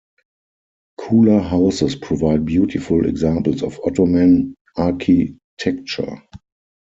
Kula houses provide beautiful examples of Ottoman architecture.